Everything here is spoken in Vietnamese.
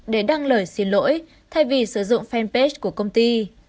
để đăng lời xin lỗi thay vì sử dụng fanpage của công ty